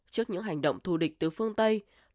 trước những hành động thù địch từ phương tây